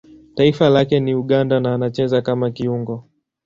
Taifa lake ni Uganda na anacheza kama kiungo.